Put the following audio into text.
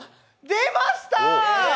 出ました！